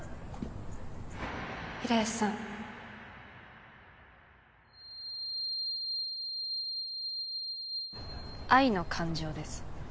平安さん「愛」の感情です。